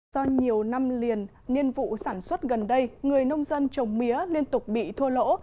do nhiều năm liền nhiên vụ sản xuất gần đây người nông dân trồng mía liên tục bị thua lỗ